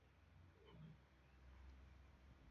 Tiaj lokoj estas multaj.